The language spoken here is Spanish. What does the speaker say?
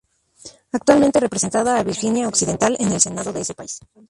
Actualmente representada a Virginia Occidental en el Senado de ese país.